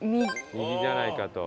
右じゃないかと。